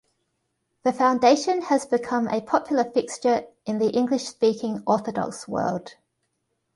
The foundation has become a popular fixture in the English-speaking Orthodox world.